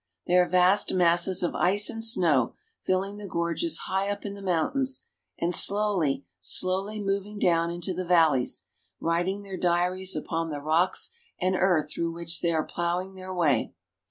They are vast masses of ice and snow, filling the gorges high up in the mountains ; and slowly, slowly moving down into the valleys, writing their diaries upon the rocks and earth through which they are plowing their way.